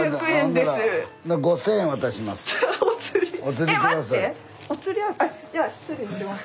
では失礼します。